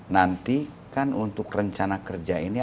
nanti kan untuk rencana kerja ini